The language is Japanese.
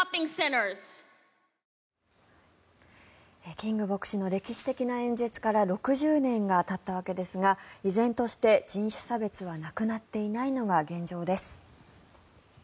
キング牧師の歴史的な演説から６０年がたったわけですが依然として人種差別はなくなっていないのが現状です。